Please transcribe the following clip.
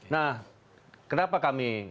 nah kenapa kami